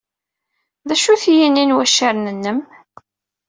D acu-t yini n waccaren-nnem?